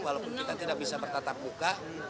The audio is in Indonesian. walaupun kita tidak bisa bertatap muka